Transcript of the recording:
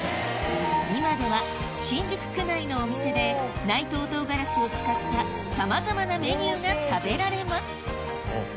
今では新宿区内のお店で内藤とうがらしを使ったさまざまなメニューが食べられます